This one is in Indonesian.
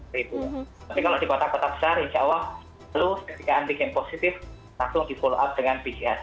tapi kalau di kota kota besar insya allah lalu ketika antik yang positif langsung dipoll up dengan pcr